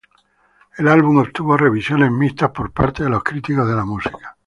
El álbum obtuvo revisiones mixtas por parte de los críticos de la música.